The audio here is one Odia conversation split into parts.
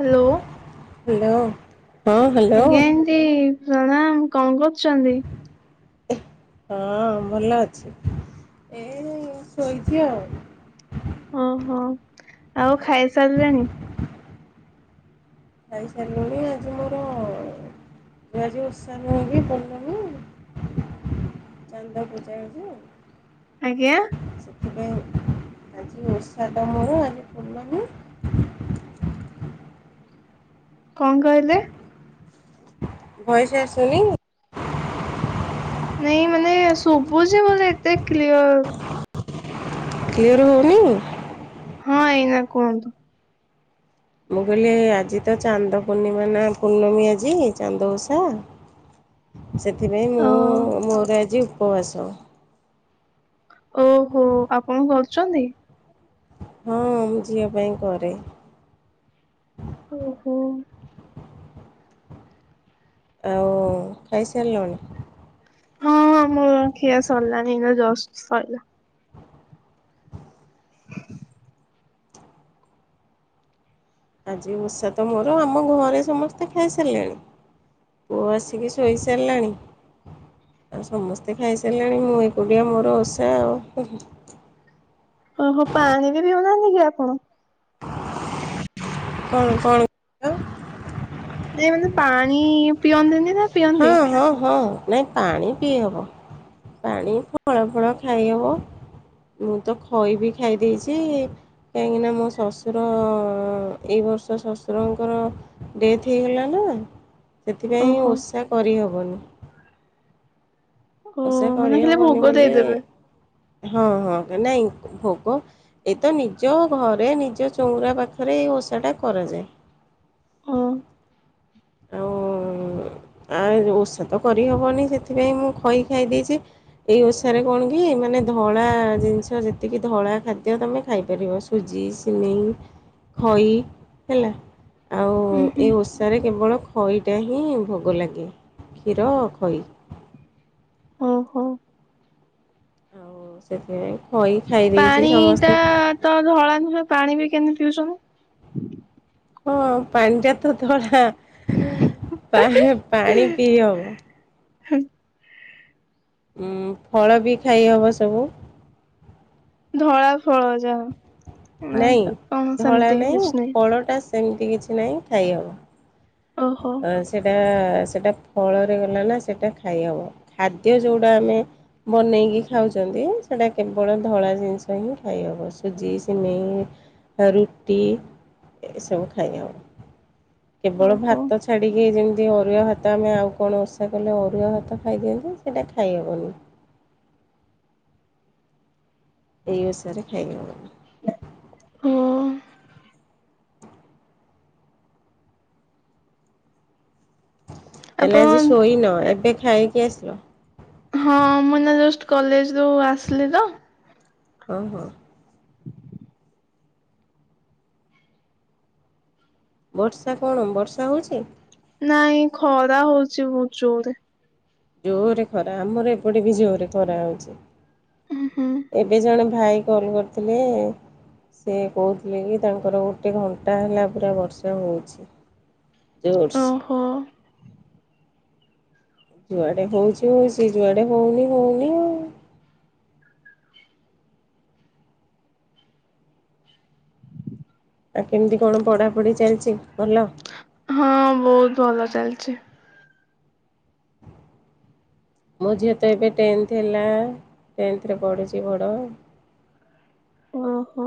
ହ୍ୟାଲୋ। ହ୍ୟାଲୋ ହଁ ହ୍ୟାଲୋ। ଦି ପ୍ରଣାମ କଣ କରୁଛନ୍ତି? ହଁ ଭଲ ଅଛି। ଏ ଶୋଇଛି ଆଉ। ଓହୋ ଆଉ ଖାଇସାରିଲେଣି? ଖାଇ ସାରିଲୁଣି ଆଜି ମୋର ଆଜି ଓଷା ନୁହଁ କି କଲୁନୁ? ଚାନ୍ଦ ପୂଜା କରୁଛୁ? ଆଜ୍ଞା। ସେଥିପାଇଁ ଆଜି ଉଷା ତ ମୋର ଆଜି ପୂର୍ଣ୍ଣମି କଣ କହିଲେ? ଭଏସ୍ ଆସୁନି? ନାଇଁ ମାନେ ସୁଭ୍ହୁଛି ବଲେ ଏତେ କ୍ଲିଅର କ୍ଲିୟର୍ ହଉନି? ହଁ ଏଇନା କୁହନ୍ତୁ? ମୁଁ କହିଲି ଆଜି ତ ଚାନ୍ଦ ପୂର୍ଣ୍ଣିମା ନା ପୂର୍ଣ୍ଣମୀ ଆଜି ଚାନ୍ଦ ଓଷା? ହ ସେଥିପାଇଁ ମୁଁ ମୋର ଆଜି ଉପବାସ। ଓହୋ ଆପଣ କରୁଛନ୍ତି? ହଁ ମୁଁ ଝିଅ ପାଇଁ କରେ। ଓହୋ। ଆଉ ଖାଇସାରିଲଣି? ହଁ ହଁ ମୋର ଖିଆ ସରିଲାନି ଏଇନା ଜଷ୍ଟ ସରିଲା। ଆଜି ଓର୍ଷା ତ ମୋର ଆମ ଘରେ ସମସ୍ତେ ଖାଇ ସାରିଲେଣି। ପୁଅ ଆସିକି ଶୋଇସାରିଲାଣି। ଆଉ ସମସ୍ତେ ଖାଇସାରିଲେଣି ମୁଁ ଏକୁଟିଆ ମୋର ଓଷା ଆଉ। ଓହୋ ପାଣି ବି ପିଉନାହାନ୍ତି କି ଆପଣ? କଣ କଣ? ଏ ମାନେ ପାଣି ପିଆନ୍ତିନି ନା? ହଁ ପିଅନ୍ତି? ହଁ ହଁ ନାଇଁ ପାଣି ପିଇହବ। ପାଣି ଫଳ ଫଳ ଖାଇହବ। ମୁଁ ତ ଖଇ ବି ଖାଇ ଦେଇଛି। କାହିଁକିନା ମୋ ଶ୍ୱଶୁର ଏଇ ବର୍ଷ ଶ୍ୱଶୁରଙ୍କର ଡେଥ୍ ହେଇଗଲା ନା ସେଥିପାଇଁ ଓହୋ ଓଷା କରିହେବନି। ଓ ଓଷା ମାନେ ଖାଲି ଭୋଗ କରିହବନି ବୋଲି ଦେଇଦେବେ ହଁ ହଁ ନାଇଁ ଭୋଗ ଏ ତ ନିଜ ଘରେ ନିଜ ଚଉଁରା ପାଖରେ ଏଇ ଓଷାଟା କରାଯାଏ। ଓ ଆଉ ଆ ଓଷା ତ କରିହବନି ସେଥିପାଇଁ ମୁଁ ଖଇ ଖାଇ ଦେଇଛି। ଏଇ ଓଷାରେ କଣ କି ମାନେ ଧଳା ଜିନିଷ ଯେତିକି ଧଳା ଖାଦ୍ୟ ତମେ ଖାଇପାରିବ। ସୁଜି ସିମେଇ ଖଇ ହେଲା। ଆଉ ହୁଁ ହୁଁ ଏଇ ଓଷାରେ କେବଳ ଖଇଟା ହିଁ ଭୋଗ ଲାଗେ କ୍ଷୀର ଖଇ ଓହୋ। ଆଉ ସେଥିପାଇଁ କହି ଖାଇ ଦେଇଛି ପାଣି ଟା ସମସ୍ତେ। ତ ଧଳା ନୁହେ ପାଣି ବି କେମିତି ପିଉଛନ୍ତି? ହଁ ପାଣିଟା ତ ଧଳା ପା ପାଣି ପିଇହବ। ହଁ। ଫଳ ବି ଖାଇହବ ସବୁ। ଧଳା ଫଳ ଯା ନାଇଁ ଧଳା ନାହିଁ ଫଳ ଟା ସେମିତି କିଛି ନାହିଁ ଖାଇହବ। ଓ ହୋ। ସେଇଟା ସେଇଟା ଫଳରେ ଗଲା ନା ସେଇଟା ଖାଇହେବ। ଖାଦ୍ୟ ଯେଉଁଟା ଆମେ ବନେଇକି ଖାଉଚନ୍ତି ସେଇଟା କେବଳ ଧଳା ଜିନିଷ ହିଁ ଖାଇହେବ ସୁଜି ସିମେଇ ରୁଟି ଏସବୁ ଖାଇ ହଵ କେବଳ ଓହୋ ଭାତ ଛାଡ଼ିକି ଯେମିତି ଅରୁଆ ଭାତ ଆମେ ଆଉ କଣ ଓଷା କଲେ ଅରୁଆ ଭାତ ଖାଇଦିଅନ୍ତିୁ ସେଇଟା ଖାଇହେବନି। ଏଇ ଓଷା ରେ ଖାଇ ହବନି। ହଁ। ତାହେଲେ ଆଜି ଆପଣ ସୋଇ ନ ଏବେ ଖାଇ କି ଆସିଲ? ହଁ ମୁଁ ନା ଜଷ୍ଟ କଲେଜ ରୁ ଆସିଲି ତ ଓଁ ହଁ। ବର୍ଷା କଣ ବର୍ଷା ହଉଛି? ନାଇଁ ଖରା ହଉଛି ବହୁତ ଜୋରେ। ଜୋରେ ଖରା ଆମର ଏପଟେ ବି ଜୋରେ ଖରା ହଉଛି। ଉଁ ହୁଁ ଏବେ ଜଣେ ଭାଇ କଲ କରିଥିଲେ। ସେ କହୁଥିଲେ କି ତାଙ୍କର ଗୋଟେ ଘଣ୍ଟା ହେଲା ପୁରା ବର୍ଷା ହୋଇଛି। ଦି ଓଡସ୍। ହଁ। ଯୁଆଡେ ହଉଛି ହଉଛି ଯୁଆଡେ ହଉନି ହଉନି ଆଉ। ଆଉ କେମିତି କଣ ପଢାପଢି ଚାଲିଛି? ଭଲ ହଁ ବହୁତ ଭଲ ଚାଲିଛି। ମୋ ଝିଅ ତ ଏବେ ଟେନ୍ଥ ହେଲା ଟେନ୍ଥରେ ପଢ଼ୁଚି ବଡ଼। ହଁ ହ।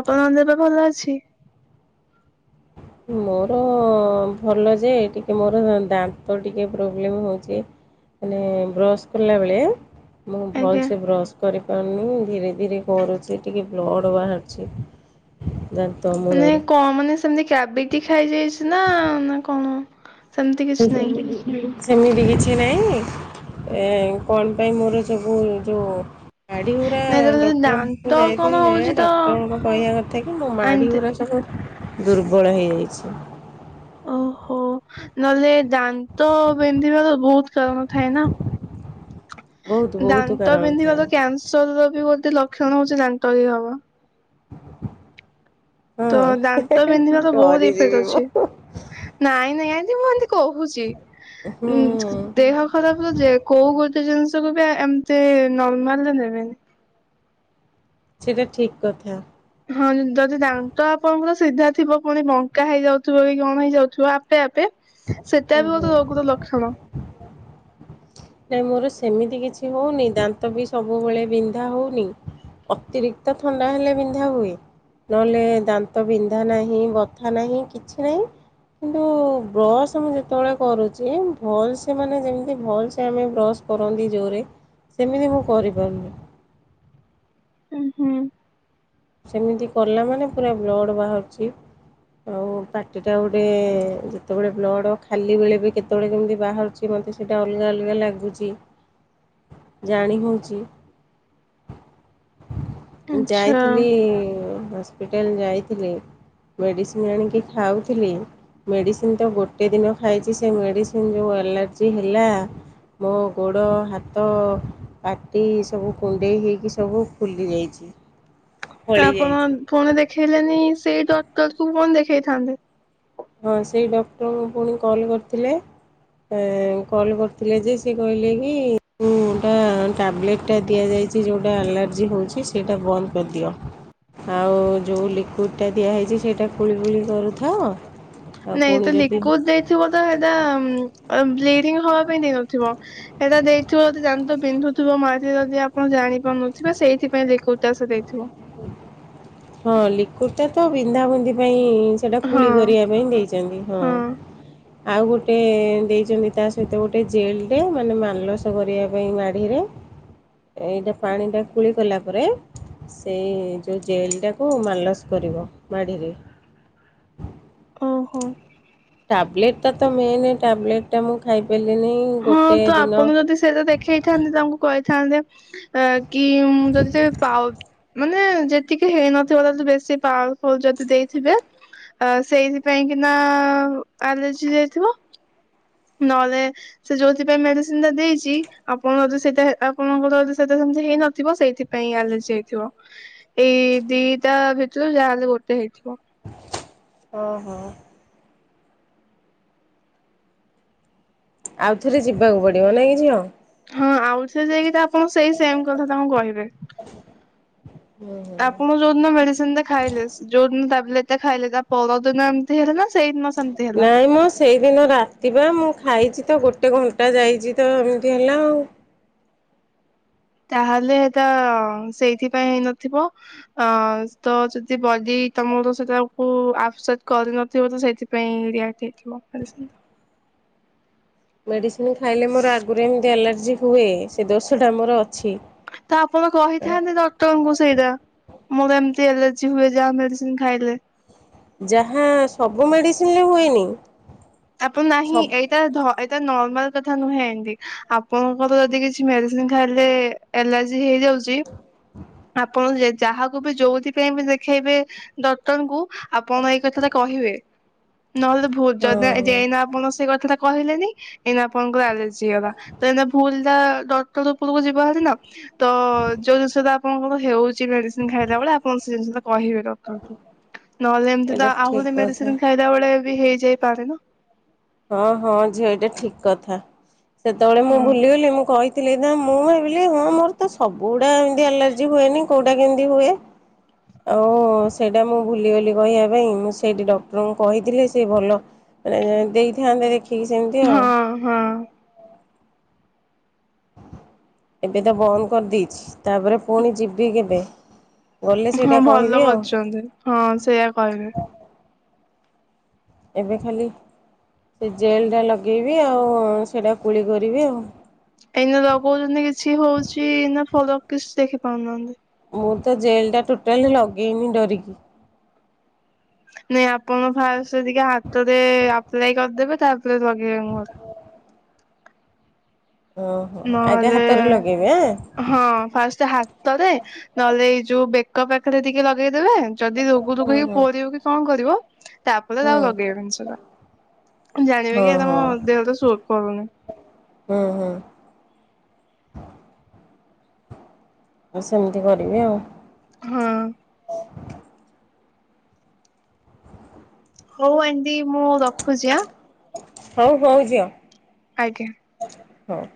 ଆପଣଙ୍କ ଦେହ ପା ଭଲ ଅଛି? ମୋର ଭଲ ଯେ ଟିକେ ମୋର ଦାନ୍ତ ଟିକେ ପ୍ରୋବ୍ଲେମ୍ ହୋଉଛି। ମାନେ ବ୍ରସ୍ କଲା ବେଳେ ମୁଁ ଭଲ ଆଜ୍ଞା ସେ ବ୍ରସ୍ କରିପାରୁନି ଧୀରେ ଧୀରେ କରୁଚି ଟିକେ ବ୍ଲଡ଼ ବାହାରୁଚି। ଦାନ୍ତ। ମାନେ କଣ ମାନେ ସେମିତି କାବିଟି ଖାଇଯାଇଛି ନା ନା କଣ? ସେମିତି କିଛି ସେ ନାହିଁ ଯେମିତି। ସେମିତି କିଛି ନାହିଁ ଏ କଣ ପାଇଁ ମୋର ସବୁ ଯୋଉ ମାଢ଼ୀ ଉରା ନାଇଁ ତାହେଲେ ଡକ୍ଟରଙ୍କୁ ଦାନ୍ତ କଣ କଯାଇଥିଲି ଯେ ହଉଛି ତ ଡକ୍ଟରଙ୍କ କହିବା କଥା କି ମୋ ମାଢୀ ଆଣିତେ ଉରା ସବୁ ଦୁର୍ବଳ ହେଇଯାଇଛି। ଓହୋ ନଲେ ଦା ତ ବିନ୍ଧିବା ତ ବହୁତ କାରଣ ଥାଏ ନା? ବହୁତ ବହୁତ ଦାନ୍ତ କାରଣ ଥାଏ ବିିନ୍ଧିବାର କ୍ୟାନସର ବି ଗୋଟେ ଲକ୍ଷଣ ହଉଛି ଦାନ୍ତ କି ହବ। ତ ଦାନ୍ତ ବିିନ୍ଧିବା ହଁ ତ ବହୁତ ଇଫେକ୍ଟ ଡରିଯିବି ଅଛି। ମୁଁ ନାଇଁ ନାଇଁ ଏତି ମୁଁ ଏତି କହୁଛି ହୁଁ ଦେହ ଖରାପ ଯେ କୋଉ ଗୋଟେ ଜିନିଷକୁ ବି ଏମିତି ନର୍ମାଲରେ ନେବେନି। ସେଟା ଠିକ କଥା। ହଁ ଯଦି ଦାନ୍ତ ଆପଣଙ୍କର ସିଧା ଥିବ ପୁଣି ବଙ୍କା ହେଇଯାଉଥିବ କି କଣ ହେଇଯାଉଥିବ ଆପେ ଆପେ ସେଟା ବି ଓହୋ ମୋତେ ରୋଗର ଲକ୍ଷଣ। ନାହିଁ ମୋର ସେମିତି କିଛି ହଉନି ଦାନ୍ତ ବି ସବୁବେଳେ ବିନ୍ଧା ହଉନି। ଅତିରିକ୍ତ ଥଣ୍ଡା ହେଲେ ବିନ୍ଧା ହୁଏ। ନହେଲେ ଦାନ୍ତ ବିନ୍ଧା ନାହିଁ ବଥା ନାହିଁ କିଛି ନାହିଁ। କିନ୍ତୁ ବ୍ରସ୍ ମୁଁ ଯେତେବେଳେ କରୁଛି ଭଲ ସେ ମାନେ ଯେମିତି ଭଲସ ତ ଆମେ ବ୍ରସ୍ କରନ୍ତି ଜୋରରେ ସେମିତି ମୁଁ କରିପାରୁନି। ହୁ ହୁଁ। ସେମିତି କଲା ମାନେ ପୁରା ବ୍ଲଡ଼ ବାହାରୁଛି। ଆଉ ପାଟିଟା ଗୋଟେ ଯେତେବେଳେ ବ୍ଲଡ଼ ଖାଲି ବେଳେ ବି କେତେବେଳେ କେମିତି ବାହାରୁଛି। କି ମୋତେ ସେଇଟା ଅଲଗା ଅଲଗା ଲାଗୁଛି। ଜାଣି ହଉଛି। ଆଚ୍ଛା ଯାଇଥିଲି ହସ୍ପିଟାଲ ଯାଇଥିଲି। ମେଡ଼ିସିନ ଆଣିକି ଖାଉଥିଲି। ମେଡ଼ିସିନ ତ ଗୋଟେ ଦିନ ଖାଇଛି ସେ ମେଡ଼ିସିନ ଯେଉଁ ଆଲର୍ଜି ହେଲା ମୋ ଗୋଡ଼ ହାତ ପାଟି ସବୁ କୁଣ୍ଡେଇ ହେଇକି ସବୁ ଫୁଲି ଯାଇଛି। ଫଳି ଆପଣ ଯାଇଛି ଫୁଣି ଦେଖେଇଲେନି ସେଇ ଡଟର କୁ ପଣ ଦେଖେଇଥାନ୍ତେ। ହଁ ସେଇ ଡକ୍ଟରଙ୍କୁ ପୁଣି କଲ୍ କରିଥିଲେ। କଲ୍ କରିଥିଲେ ଯେ ସେ କହିଲେ କି ଟ୍ୟାବଲେଟା ଦିଆଯାଇଛି ଯେଉଁଟା ଆଲାର୍ଜି ହେଉଛି ସେଇଟା ବନ୍ଦ କରିଦିଅ। ଆଉ ଯେଉଁ ଲିକଇଡ଼୍ଟା ଦିଆହେଇଛି ସେଇଟା କୁଳି ଫୁଳି କରୁଥାଅ। ଆଉ ନାଇଁ ପୁଣି ତ ଯଦି ଲିକଇଡ ଦେଇଥିବ ତ ସେଇଟା ବ୍ଲିଡିଙ୍ଗ ହବା ପାଇଁ ଦେଇନଥିବ। ଏଇଟା ଦେଇଥିବ ଯଦି ଜାଣିଥ ପ ବିନ୍ଧୁଥିବ ମା ଯଦି ଆପଣ ଜାଣିପାରୁନଥିବେ ସେଇଥିପାଇଁ ଲିକୁଉଇଟ ସେ ଦେଇଥିବ। ହଁ ଲିକୁଇଡ ତ ବିନ୍ଧାବନ୍ଧି ପାଇଁ ସେଟା କୁଳି ହଁ କରିବା ପାଇଁ ଦେଇଛନ୍ତି ହଁ। ଆଉ ଗୋଟେ ଦେଇଛନ୍ତି ତା ସହିତ ଗୋଟେ ଜେଲରେ ମାନେ ମାଲଲସ କରିବା ପାଇଁ ମାଢିରେ ଏଇଟା ପାଣି ଟା କୋଳି କଲା ପରେ ସେଇ ଯୋଉ ଜେଲ ଟା ତାକୁ ମାଲସ କରିବ ମାଡ଼ିରେ। ଓହୋ। ଟବଲେଟ ଟା ତ ମେନ ଟବଲେଟ ଟା ମୁଁ ଖାଇ ପାରିଲିନି। ହଁ ତ ଆପଣ ଯଦି ସେଇଟା ଦେଖ ଖେଇଥାନ୍ତେ ତାଙ୍କୁ କହିଥାନ୍ତେ ଅ କି ଯଦି ସେ ପା ମାନେ ଯେତିକି ହେଇନଥିବ ତାଦ ବେଶୀ ପାୱ ଫୁଲ ଯଦି ଦେଇଥିବେ। ଅ ସେଇଥିପାଇଁ କି ନା ଆଲର୍ଜି ଯାଇଥିବ। ନହେଲେ ସେ ଯୋଉଥିପାଇଁ ମେଡିସିନ ଟା ଦେଇଛି ଆପଣ ଯଦି ସେଇଟା ଆପଣଙ୍କର ଯଦି ସେଟା ସେମିତି ହେଇନଥିବ ସେଇଥିପାଇଁ ପାଇଁ ଆଲର୍ଜି ହେଇଥିବ। ଏଇ ଦିଟା ଭିତରୁ ଯାହାହେଲେ ଗୋଟେ ହେଇଥିବ। ହଁ ହଁ। ଆଉଥରେ ଯିବାକୁ ପଡ଼ିବ ନାହିଁ କି ଝିଅ? ହଁ ଆଉ ସେ ଯାଇକି ଆପଣ ସେଇ ସେମ କଥା ତାଙ୍କୁ କହିବେ। ହୁଁ ହୁଁ। ଆପଣ ଯୋଉଦିନ ମେଡିସିନ ଟା ଖାଇଲେ ଯୋଉ ଦିନ ଟବଲେଟା ଖାଇଲେ ତା ପରଦିନ ଏମିତି ହେଲେ ନା ସେଇ ସମିତି। [inaudible] ସେଇ ଦିନ ରାତିିବା, ମୁଁ ଖାଇଚି ତ ଗୋଟେ ଘଣ୍ଟା ଯାଇଚି ତ ତି ହେଲା ଆଉ। ତା'ହେଲେ ସେଇଥି ପାଇଁ ହେଇନଥିବ। ତ ଯଦି ବଡ଼ି ତମର ସେଟାକୁ ଆ----କରିନଥିବ, ତ ସେଇଥି [unintelligible] ମେଡ଼ିସିନି ଖାଇଲେ ମର ଆଗରୁ ଏମ୍ତି ଆଲାର୍ଜି ହୁଏ, ସେ ଦୋଷଟା ମର ଅଛି। ତ ଆପଣ କହିଥାନ୍ତେ ଡକ୍ଟରଙ୍କୁ ସେଇଟା। ମୋର ଏମ୍ତି ଏଲର୍ଜି ହୁଏ, ଯାହା ମେଡ଼ିସିନ୍‌ ଖାଇଲେ। ଯାହା ସବୁ ମେଡ଼ିସିନ୍‌ ହୁଏନି। [inaudible] ସବ ନର୍ମାଲ୍ କଥା ନୁହେଁ ଆପଣଙ୍କର ଯଦି କିଛି ମେଡ଼ିସିନ୍‌ ଖାଇଲେ। ଏଲର୍ଜି ହେଇ ଯାଉଚି। ଆପଣ ଯାହାକୁ ବି ଯଉଥି ପାଇଁ ବି ଦେଖେଇବେ, ଡକ୍ଟରଙ୍କୁ ଆପଣ ଏଇ କଥା ଟା କହିବେ। [inaudible] ହଁ ଏଇନା ଆପଣଙ୍କର ଆଲର୍ଜି ତ ଏଇନା ଭୁଲ୍ ଟା ଡକ୍ଟର ଉପରୁକୁ ଯିବ ହାରି ନା। ତ ଯଉ ଷଟା ଆପଣଙ୍କର ହେଉଚି ମେଡ଼ିସିନ୍‌ ଖାଇଲା ବଳେ, ଆପଣ ସେ ଜିନିଷଟା କହିବେ। ନହେଲେ ଏମ୍ତି ଏଇଟା ତ ଠିକ୍ ଆହୁରି କଥା। ମେଡ଼ିସିନ୍‌ ଆହୁରି ଖାଇଲା ବେଳେ ବି ହେଇ ଯାଇପାରେ ନା। ହଁ ହଁ ଝିଅ ଏଟା ଠିକ୍‌ କଥା, ସେତବେଳେ ମୁଁ ହଁ ଭୁଲିଗଲି। ମୁଁ କହିି ମୁଁ ଭାବିଲି ହଁ ମୋର୍ ତ ସବୁ--ଡ଼ା ତି ଆଲର୍ଜି ହୁଏନି, କଉଟା କେ ହୁଏ। ଆଉ ସେଇଟା ମୁଁ ଭୁଲିଗଲି କହିବା ପାଇଁ, ମୁଁ ସେଇଟି ଡକ୍ଟ--ଙ୍କୁ କହିଥିଲି। ସେ ଭଲ ଦେଇ ଥାନ୍ତେ ଦେଖିକି ସେମ୍ତି ଆଉ। ହଁ! ଏବେ ତ ବନ୍ଦ୍ କର୍ ଦେଇଛି, ତା'ପରେ ପୁଣି ଯିବି କେବେ? ଗଲେ ହଁ ସେଇଟା ଭଲ କହିବି ଆଉ। କରିଛନ୍ତି ହଁ, ସେୟା କହିବେ। ଏବେ ଖାଲି ସେ ଜେଲ୍ ଟା ଲଗେଇବି ଆଉ, ସେଟା କୁଳି କରିବି ଆଉ। ଏଇନା ଲଗଉ ଚନ୍ତି କିଛି ହଉଚି, ନା ଫ--କ୍ କିଛି ଦେଖି ପାରୁ ନାହାନ୍ତି। ମୁଁ ତ ଜେଲ୍‌ ଟା ଟୁଟାଲେ ଲଗେଇନି ଡ଼ରିକି। ନାଇଁ ଆପଣ ଫା ଟିକେ ହାତରେ ଆପ୍ଲାଇ କର୍ ଦେବେ, ତାପ୍ରେ ଲଗେଇବେ ଓହୋ ନହେଲେ ହାତରେ ଲଗେଇବି ଆଁ। ହଁ ଫାଷ୍ଟେ ହାତରେ, ନହେଲେ ଏଇ ଯଉ ବେକ ପାଖରେ ଟିକେ ଲଗେଇ ଦେବେ। ଯଦି ହୁଁ ପୋଡ଼ିବ କି କ'ଣ କରିବ। ତା'ପ ହୁଁ ଲଗେଇବେନି ସେଟା, ଜାଣିବେ ହୁଁ କି ହଁ ଏଟା ମୋ ହଁ ଦେହରେ ସୁଟ୍ କରୁନି। [inaudible] ସେମିତି କରିବି ଆଉ। ହଁ! ହଉ ଆଣ୍ଟି ମୁଁ ରଖୁଚି ଆଁ। ହଉ ହଉ ଝିଅ। ଆଜ୍ଞା। [inaudible]